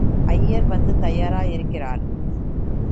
ஐயர் வந்து தயாரா இருக்கிறாரு.